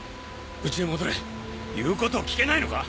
家へ戻れ言うことを聞けないのか？